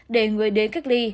để người đến gác ly